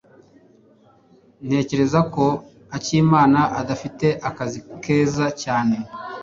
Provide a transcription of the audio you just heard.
Ntekereza ko Akimana adafite akazi keza cyane.